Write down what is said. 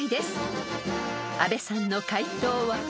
［阿部さんの解答は？］